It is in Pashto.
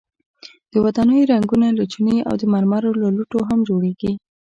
د ودانیو رنګونه له چونې او د مرمرو له لوټو هم جوړیږي.